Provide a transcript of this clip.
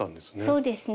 そうですね。